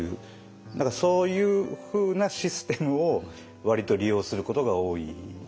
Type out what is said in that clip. だからそういうふうなシステムを割と利用することが多いですね。